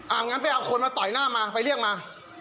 งั้นไปเอาคนมาต่อยหน้ามาไปเรียกมา